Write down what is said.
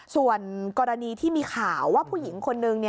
ส่วนกรณีที่มีข่าวว่าผู้หญิงคนนึง